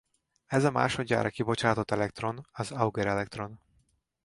Ez a másodjára kibocsátott elektron az Auger-elektron.